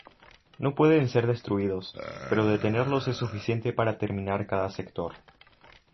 No pueden ser destruidos, pero detenerlos es suficiente para terminar cada Sector.